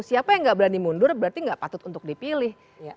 siapa yang nggak berani mundur berarti nggak patut untuk dipilih